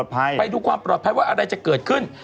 ความปลอดภัยด้วยไปดูความปลอดภัยว่าอะไรจะเกิดขึ้น